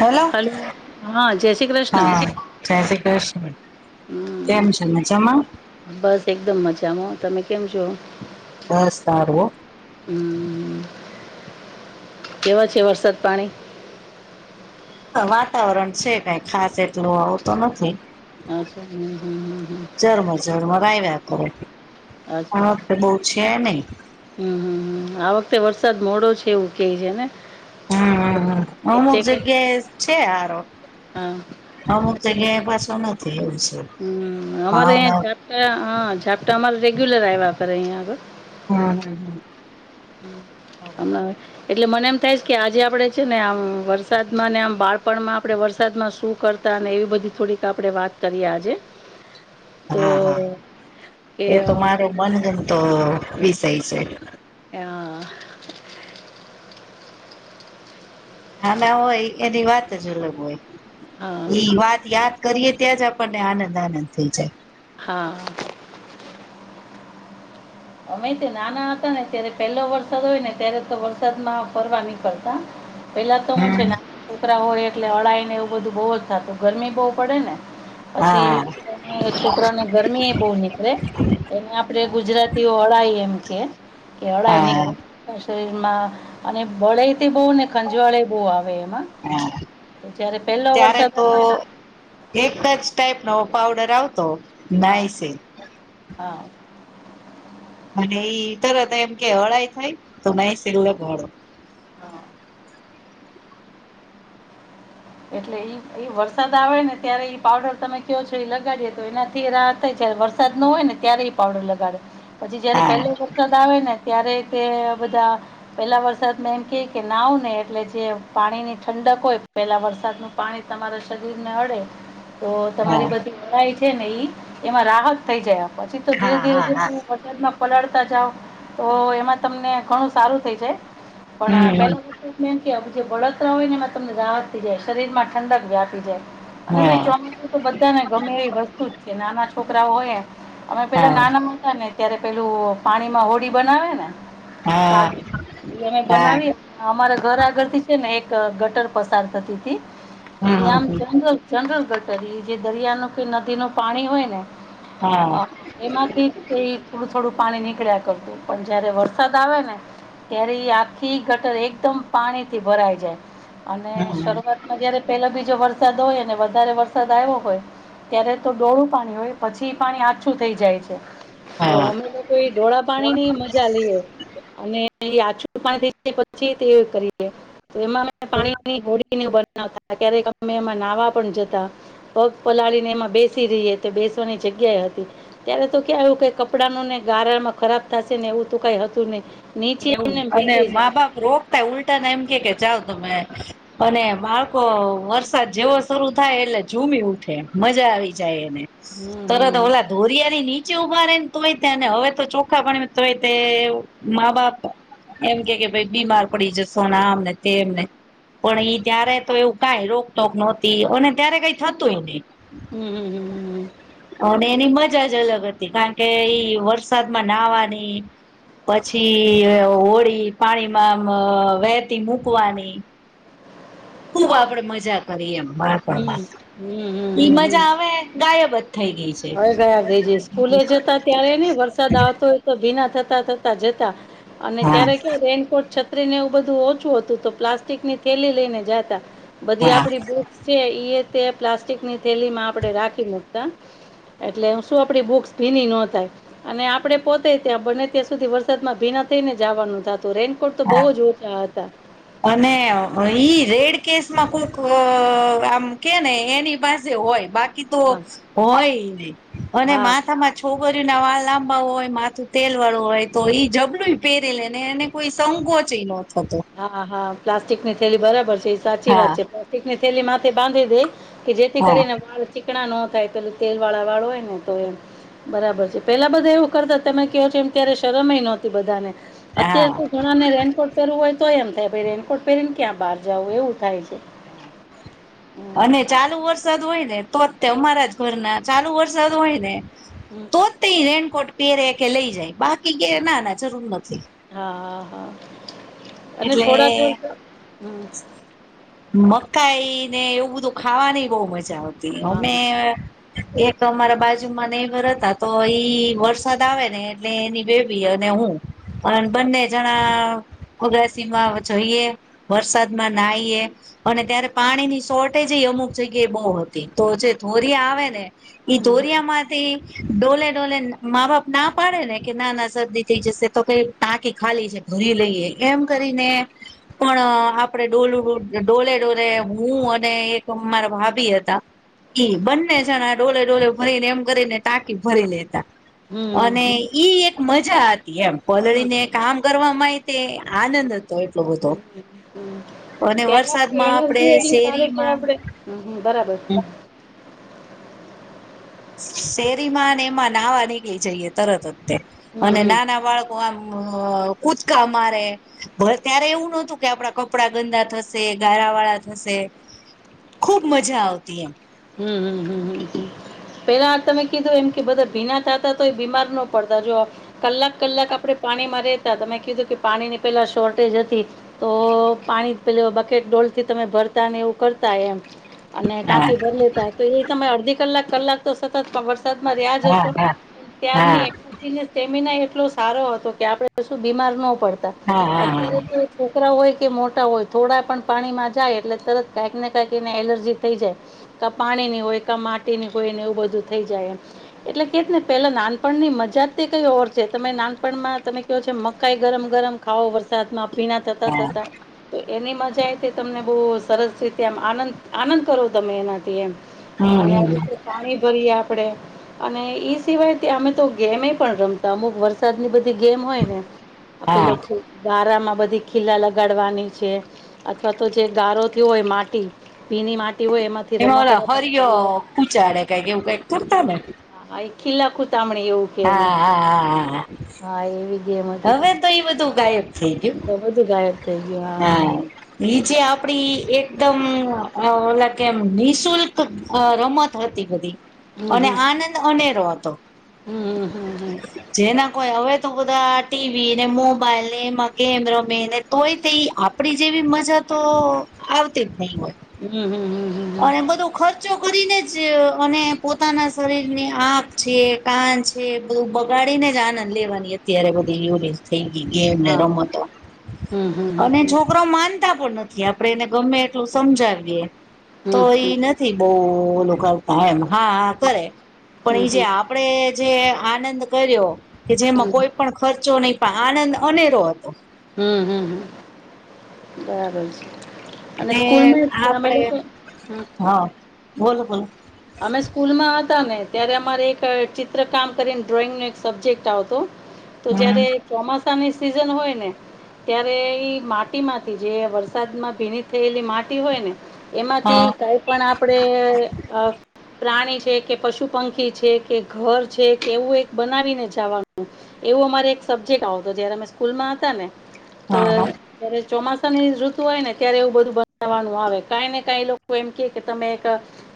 Hello hello, હા જય શ્રી ક્રષ હા જય શ્રી ક્રષ્ણ હમ, કેમ છે મજામાં? બસ એકદમ મજામાં. તમે કેમ છો? બસ સારું હો. હમ કેવા છે વરસાદ પાણી. વાતાવરણ છે કઈ ખાસ એટલું આવતું નથી. અચછા હમ હમ હ હ. જરમરાઈ રાખો અચ્છા હા ક બહુ છે નહી. હમ હમ હમ આ વખતે વરસાદ મોડો છે એવું કેહ છે ને. હમ હમ હ અમુક વચ્ચે કઈ જગ્યાએ છે હારો. હા અમુક જગ્યાએ પાછો નથી એવું છે. હ અમારેં આઇ ભાવના ઝાપટા હ ઝાપટા અમારે રેગ્યુલર આવ્યા કરે અહીયાં આગળ. હમ હમ હમ. હમ અને એટલે મને એમ થાય છ કે આજે આપણે છે ને આમ વરસાદમાં ને આમ બાળપણમાં આપણે વરસાદમાં શું કરતા અને એવી બધી થોડીક આપડે વાત કરીએ આજે. તો હા હા કે એ તો અ, મારે મનગમતો વિષય છે. એ હ નાના હોયએ એની વાત જ અલગ હોય હા ઈ વાત યાદ કરીએ ત્યાં જ આપણને આનંદ આનંદ થઈ જાય. હા. અમે તો નાના હતા ને ત્યારે પહેલો વરસાદ હોય ને ત્યારે તો વરસાદમાં ફરવા નીકળતા. પેહલા તો હું હમ છે ના છોકરા હોય એટલે અળાઈ ને એવું બધું બહુ જ થાતું ગરમી બહુ પડે ને. પછી હા [unintelligible] છોકરાઓને ગરમી એ બહુ નીકળે એને આપડે ગુજરાતીઓ અળાઈ એમ કે. કે અળાય નિક હા શરીર માં અને બળે તે બહુ ને ખંજવાળે બહુ આવે એમાં હા જયારે પહેલો ત્યારે વરસાદ તો આવે ને એક જ ટાઈપનો પાવડર આવતો. હા નાઈસિલ હા. અને એઈ તરત એમ કે અળાઈ થાય તો નાઈસિલ લગાળો. હા. એટલે ઈ એ વરસાદ આવે ને ત્યારે એ પાવડર તમે કયો છો એ લગાડીએ તો એનાથી રાહાત થાય જ્યારે વર વરસાદ ન હોય ને ત્યારે એ પાવડર લગાડે પછી જયારે હા પહેલો વરસાદ આવે ને ત્યારે તે બધા પેહલા વરસાદ એમ કે કે નાવ ને એટલે જે પાણીની ઠંડક હોય પેલા વરસાદ વરસાદનું પાણી તમારા શરીર ને અડે તો હા તમારી બધી છે ને ઈ એમાં રાહત થઈ. જયા પછી તો ધીરે હા હા હા ધીરે પલાળતા જાવ તો એમાં તમને ઘણું સારું થઈ જાય પણ હમ પેલા મે એમ કે જે બળતરા હોય. ને એમાં તમને રાહત થઈ જાય, શરીર માં ઠંડક વ્યાપી જાય. અને હા ભાઈ ચોમાસું તો બધાને ગમે એવી વસ્તુ જ છે નાના છોકરા હોય અમે પેલા હા નાના હતા ને ત્યારે પેલું પાણીમાં હોડી બનાવે ને હા હા બનાવી એ અમારા ઘર આગળ થી છે ને એક ગટર પસાર થતી હતી થી ત્યા હમ આમ જંગલ જંગલ ગટર એ જે દરિયા ન કે નદીનું પાણી હોય ને હા એમાંથી તે થોડું થોડું પાણી નીકળ્યા કરતું પણ જયારે વરસાદ આવે ને ત્યારે ઈ આખી ગટર એકદમ પાણીથી ભરાઈ જાય અને હમ શરૂઆતમાં જયારે પેલો બીજો વરસાદ હોય ને વધારે વરસાદ આવ્યો હોય ત્યારે તો ડોળું પાણી હોય પછી એ પાણી આછું થઈ જાય છે. તો હા અમે તો એ ડોળા પાણીની મજા લઈએ અમે એ આછું [unintelligible] પછી તે કરીએ તો એમાં પાણીની હોડીને બનાવતા ક્યારેક અમે એમાં નાહવા પણ જતા. પગ પલાળીને એમાં બેસી રહીએ તે બેસવાની જગ્યાએ હતી. ત્યારે તો ક્યાં આવ્યું કે કપડાંનું ને ગારામાં ખરાબ થશે ને એવું તો કાંઈ હતું નહીં. નીચે એવું એમને એમ અને બેસી મા જતા બાપ રોકતા ઉલટાને એમ કે કે જાવ તમે. અને બાળકો વરસાદ જેવો શરૂ થાય એટલે ઝૂમી ઉઠે મજા એને હમ તરત હમ ઓલા દોરિયાની નીચે ઉભા રે ને તોય તે અને હવે તો ચોખા પણ તોય તે મા બાપ એમ કે કે ભાઈ બીમાર પડી જસો ના આમને તે એમને પણ એઈ ત્યારે તો એવું કઈ રોક ટોક નોતી અને ત્યારે કઈ થતુંય નહી. હમ. અને એની મજા જ અલગ હતી. કારણ કે ઈ વરસાદમાં નાહવાની પછી હોળી પાણીમાં વહેતી મૂકવાની ખુબ આપડે મજા કરી એ એમ હમ બાળપણમાં હમ ઈ હમ હમ હમ મજા હવે ગાયબ થઈ ગઈ છે. હવે જવા દેજે સ્કૂલે જતા ત્યારે નઈ વર સાદ આવતો હોય તો ભીના થતા થતા જતા અને હા ત્યારે ક્યા રેનકોટ છત્રી ને એવું બધું ઓછું હતું તો પ્લાસ્ટિકની થેલી લઈને જાતા બધી હા આપડી બુક્સ છે તે પ્લાસ્ટિકની થેલીમાં આપણે રાખી મૂકતા એટલે શું આપડી બુક્સ ભીની ન થાય. અને આપડે પોતે ત્યાં બને ત્યાં સુધી વરસાદમાં ભીના થઈ ને જવાનું થતું રે રેનકોટ તો બોવ હા જ ઓછા હતા. અને ઈ રેડ કેસમાં કોક આમ કે ને એની પાસે હોય બાકી તો હા હોય નય અને હા માથામાં છોકરીઓ ના વાળ લાંબા હોય માથું તેલ વાળું હોય તો ઈ જબલું પહેરે લે ને એને કોઈ સંકોચે ન થતો. હા હા પ્લાસ્ટિકની થેલી બરાબર છે એ સાચી વાત હા છે પ્લાસ્ટિકની થેલી માથેથી બાંધી દે કે જેથી હા કરીને વાળ ચીકણા ન થાય. પેલું તેલ વાળા વાળ હોય ને તો એમ બરાબર છે, પેલા બધા એવું કરતા, તમે કહો છો, એમ ત્યારે શરમય નહોતી બધાને. અત્યારે હા તો ઘણા ને રેનકોટ પહેરવું હોય તો, એમ થાયાઈ, રેનકોટ પહેરીને, ક્યા બહાર જવું એવું થાય છે. હમ, [unintelligible] ચાલુ. વરસાદ હોય ને, તો ઘરના ચાલુ વરસાદ હોય ને. હમ. તો પહેરે કે લઈ જાય કે, ના ના જરૂર નથી. હા, હા, હા અને એટલે થોડાક વર્ષ હમ. મકાઈને એવું બધું ખાવાની બહુ મજા આવતી હા. અમે. એક અમારા બાજુમાં નેબર હતા, તો ઈ વરસાદ આવેને, એટલે એની અને હું પણ બંને જણા અગાસીમાં જઈએ વરસાદમાં નાઈએ. અને ત્યારે પાણીની શોર્ટેજએ અમુક જગ્યાએ બહુ હતી તો, જે ધોરી આવેને. એ ધોયૉ માં ડોલે ડોલે મા બાપ ના પાડેને કે, નાના શરદી થઈ જશે તો, કઈ ટાંકી ખાલી છે. ધોરી લઈએ, એમ કરીને, પણ આપડે ડોલડું ડોલે ડોલે, હું અને એક મારા ભાભી હતા. એ બંને જને ડોલે-ડોલે ભરીને, એમ કરીને ટાંકી ભરી લેતા. હમ, હમ, અને હમ, ઈ એક મજા હતી, એમ હમ, પલળીને કામ કરવા માય. તે આનંદ હતો, એટલો બધો અને વર્ એનાથી એટલી સારી કે, આપડે બરાબર. હા. શેરીમાં અને એમાં નાહાવા નીકળી જઈએ, તરતજ હમ, અને હમ. નાનાં બાળકો કૂદકા મારે. ત્યારે એવું નહતું કે, આપડા કપડા ગંદા થશે, ગારા વાળા થશે. ખુબ મજા આવતી એમ. હમ, હમ. પેલા તમે કીધું, એમ કે બધા ભીના થતા તો, એ બીમાર ના પડતા જો. કલાક, કલાક આપણે પાણી માં રહેેતા તમે કીધું કે, પાણીની પેલા શોર્ટેજ હતી. તો પાણી પેલુ બકેટ ડોલથી, તમે ભરતાને એવું કરતા એમ અને ટા હા તોએ તમે અડધી કલાક-કલાક તો સતત વરસાદ માં રહ્યા હા જશો, હા ત્યાર હા ન સ્ટેમિના એટલો સારો હતો કે, આપડે શું બીમાર પડતા, હા અત્યારે હા તો છોકરા હોય કે, મોટા હોય, થોડા પણ પાણીમાં જાય, એટલે તરત કંઈકને કાઈક એને એલર્જી થઈ જાય. કા પાણીની હોય કા, માટીની હોયને એવું બધું થઈ જાય. એટલે કે ને, પેલા નાનપણની મજા તે કઈ ઓર છે, તમે નાનપણમાં તમે કયો છે, મકાઈ ગરમ-ગરમ ખાવો, વરસાદમાં ભીના થતા, હા થતા તો, એની મજાએ, તમને બહુ સરસ રીતે આમ આનંદ આનંદ કરો. તમે એના થી એમ હમ અને હમ પાણી ભરીએ આપડે, અને ઈ સિવાય તો અમે તો ગેમેય પણ રમતા અમુક વર્ષ સર ની બધી ગેમ હોય ને, હા પેલો બારામાં બધી ખીલા લગાડવાની છે. અથવા તો જે ગારોથી હોય, માટી ભીની માટી હોય, એમાંથી એમાં ઓ રમકડા હરિય બનાવીએ કુચાડે કઈક એવું કઈક કરતા ને. હા, એ ખીલા ખુતામણે એવું કે એને હા, હા, હા, હા. હા, એવી. ગેમ હતી હવેતો, એ બધું ગાયબ થઈ એ ગયું તો બધું ગાયબ થઈ ગયું હા. નીચે આપડી એકદમ ઓલા કેમ નિઃશુલ્ક રમત હતી બધી. અને હા આનંદ અનેરો હતો, હમ હમ હમ હમ જેના કોઈ હવે તો બધા ટીવી ને, મોબાઈલ ને, એમાં ગેમ રમે તોય તે આપડી જેવી મજા તો આવતી જ નહીં હોય. હમ, હમ, હમ. હમ. અને બધો ચો કરીને જ અને પોતાના શરીરની આંખ છે, કાન છે. જે બ બગાડી જ આનંદ લેવાની અત્યારે બધી યુરી. ઠેન્ગી ગેમ ને, હા રમતો હમ હમ હમ અને હમ છોકરો માન તા પણ નથી, આપણે એને ગમે એટલું સમજાવીએ. હમ તો હમ ઈ નથી, બહુ લોકો એમ હા કરે, પણ એ જે હમ આપ. આપડે જે આનંદ કર્યો કે, જેમાં હમ કોઈ પણ ખર્ચો નહી. આનંદ અનેરો હતો. હમ, હમ, હમ, બરાબર છે. અને ને સ્કૂલમાં ય અમે આપડે લોકો. હા. બોલો, બોલો. અમે સ્કૂલ માં હતા ને, ત્યારે અમારે એક ચિત્ર કામ કરીને, ડ્રોઈંગનો એક સબ્જેક્ટ આવતો. તો હમ જયારે ચોમાસાની સિઝન હોય ને. ત્યારે ઈ માટીમાંથી જે વરસાદમાં ભીની થયેલી માટી હોય ને. એમાંથી હા કંઈ પણ આપણે અ પ્રાણી છે કે, પશુ પંખી છે કે, ઘર છે કે, એવું એક બનાવીને જાવાનું. એવો અમારે એક સબ્જેક્ટ આવતો, જયારે અમે સ્કૂલમાં હતા ને તો. હા હા ત્યારે ચોમાસાની ઋતુ હોય ને, ત્યારે એવું બધું બનાવાનું આવે, કાઈ ને કાઈ લોકો એમ કે કે તમે એક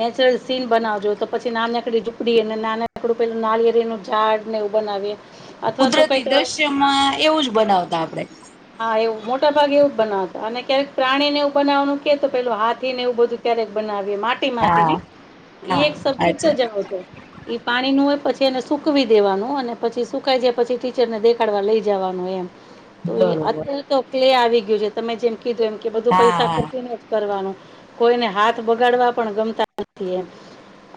નેચરલ. સીન બનાવજો તો, પછી નાનકડી ઝૂપડી અને નાનકડુ પેલું નાળિયેરનું ઝાડ ને એવું બનાવીએ. અથવા તો કંઈક કુદરતી દ્રશ્યમાં એવું જ બનાવતા આપડે. હા, એવું મોટા ભાગે એવું જ બનાવતા, અને ક્યારેક પ્રાણી ને, એવું બનાવાનું કે, તો પેલું હાથીને એવું બધું. ક્યારેક બનાવીએ માટીમાંથી હા હોં, ઈ હા એક સબ્જેક્ટ અચ્છા જ એવો છે. એ પાણીનું હોય, પછી એને સુકવી દેવાનું અને પછી સુકાઈ જાય, પછી ટીચરને દેખાડવા લઈ જવાનું એમ. તો બરોબર અત્યારે તો કલે આવી ગયું છે, તમે જેમ કીધું એમ કે, બધું હા પૈસા હા ખર્ચીને કરવાનું કોઈને હાથ બગાડવા પણ ગમતા નથી એમ.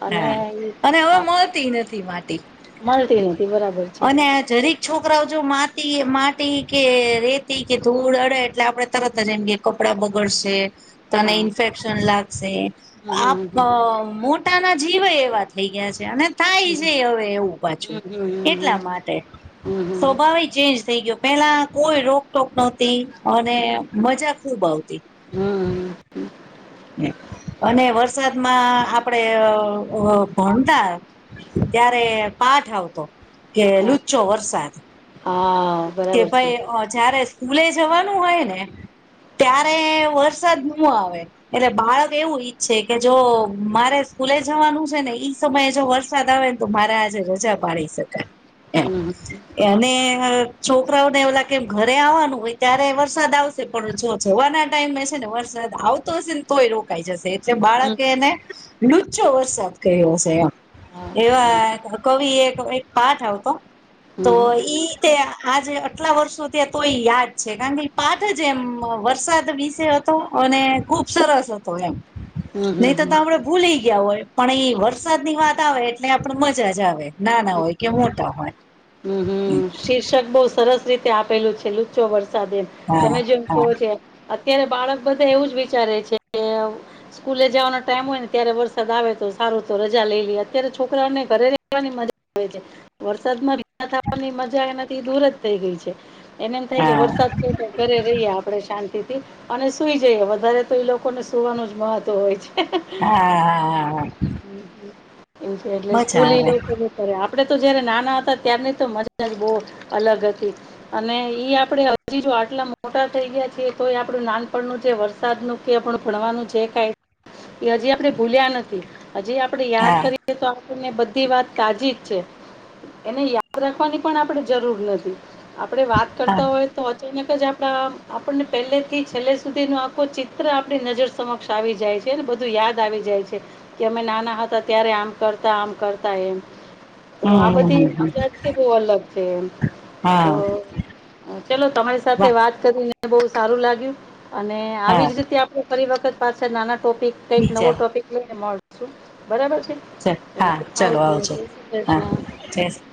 અને હા, ઈ અને હવે હા મળતી ય નથી, માટી મળતી નથી બરાબર છે અને આ જરીક છોકરાઓ જો માટી માટી કે, રેતી કે, ધૂળ અડે એટલે આપણે તરત જ એમ કે કપડાં બગડશે. તને હા ઇન્ફેક્શન લાગશે, હમ આ હમ હમ મો પોતાના જીવેય એવા થઈ ગયા છે, અને થાય હમ હમ હમ છે, હવે એવું પાછું હમ હમ હમ એટલા હમ માટે હમ હમ. સ્વભાવિક ચેન્જ થઈ ગયો, પેલા કોઈ રોકટોક ન હતી, અને મજા ખુબ આવતી. હમ. અને વરસાદમાં આપડે અ ભણતા. ત્યારે પાઠ આવ. તો કે લુચ્ચો વરસાદ હા કે બરાબર છે ભાઈ અ જ્યારે સ્કૂલે જવાનું હોયને ત્યારે વરસાદ ન આવે. એટલે બાળક એવું ઈચ્છે કે જો મારે સ્કૂલે જવાનું છે ને ઈ સમયે જો વરસાદ આવે ને તો મારે આજે રજા પાડી શકાય હમ એમ એને છોકરાઓને એવુ લાગે કે ઘરે આવવાનું હોય ત્યારે વરસાદ આવશે પણ જો જવાના ટાઈમ છે ને વરસાદ આવ તો જ તોય રોકાઈ જશે એટલે હમ બાળકે એને લુચ્ચો વરસાદ કહયો શે એમ. હા. જેવા કવિ એક એક પાઠ આવ તો હમ ઈ તે આજે અટલા વર્ષો થયા તોય યાદ છે કારણ કે ઈ પાઠ જ એમ વરસાદ વિશે અને ખુબ સરસ હતો એમ હમ નહી હમ તો હમ ભૂલી ગયા હોય પણ એ વરસાદની વાત આવે એટલે આપડે મજા જ આવે. નાના હોય કે મોટા હોય. હ હ શીર્ષક બઉ સરસ રીતે આપેલું છે લુચ્ચો વરસાદ એમ હા તમે જેમ હા ક્યો છો એમ અત્યારે બાળક બધા એવું જ વિચારે છે કે સ્કૂલે જવાનો ટાઈમ હોય ને ત્યારે વરસાદ આવે તો સારૂ તો રજા લઈ લઈએ અત્યારે છોકરાઓને ઘરે ની મજા આવે વરસાદમાં ભીના થવાની મજા એનાથી દૂર જ થઈ ગઈ છે. એને એમ થાય કે હા વરસાદ છે તો ઘરે રહીએ આપડે શાંતિથી અને સુઈ જઈએ વધારે તો એ લોકોને સુવાનું જ મહત્વ હોય છે. હા. એટલે સ્કૂલ મજા આવે લોકો કરે આપડે તો જયારે નાના હતા ત્યાર ની તો મજા જ બઉ અલગ હતી. અને ઈ આપડે હજી જો આટલા મોટા થઈ ગયા છી તો એ આપડું નાનપણનું જે વરસાદનું કે આપણ ભણવાનું જે કાઈ એ હજી આપણે ભૂલ્યા નથી. હજી આપડે યાદ હા કરીએ તો આપને બધી વાત તાજી જ છે એને યા યાદ રાખવાની પણ આપણે જરૂર નથી આપણે વાત હા કરતા હોય તો અચાનક જ આપ આપણને પહેલેથી છેલ્લે સુધીનું આખું ચિત્ર આપણી નજર સમક્ષ આવી જાય છે ને બધું યાદ આવી જાય છે. કે અમે નાના હતા ત્યારે આમ કરતા આમ કરતા એમ તો આ હમ બધી હમ મજા કે બોવ અલગ છે એમ તો હા ચલો તમારી સાથે વાહ વાત બઉ સારું લાગ્યું અને આવી હા જ રીતે આપ ફરી વખત પાછળ નાના ટોપિક કઈક નવો બીજા ટોપિક લઈને મળશું બરાબર છે. હા ચલો આવજો જય શ્રી હા કૃષ્ણ. જય